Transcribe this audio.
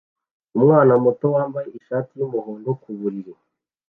umwana muto wambaye ishati yumuhondo ku buriri